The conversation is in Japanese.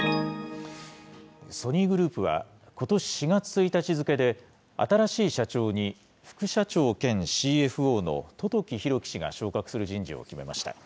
ソニーグループは、ことし４月１日付で、新しい社長に副社長兼ＣＦＯの十時裕樹氏が昇格する人事を決めました。